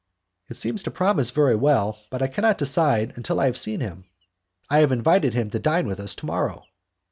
"It seems to promise very well, but I cannot decide until I have seen him." "I have invited him to dine with us to morrow."